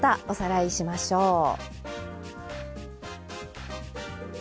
おさらいしましょう。